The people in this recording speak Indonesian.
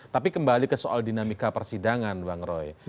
tapi kembali ke soal dinamika persidangan bang roy